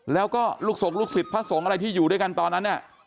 แล้วก็ลูกส่งลูกศิษย์พระสงฆ์อะไรที่อยู่ด้วยกันตอนนั้น